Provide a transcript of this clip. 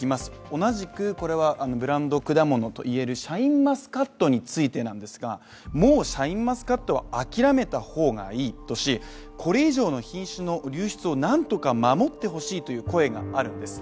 同じくブランド果物と言えるシャインマスカットについてですが、もうシャインマスカットは諦めた方がいいとし、これ以上の品種の流出を何とか守ってほしいという声があるんです。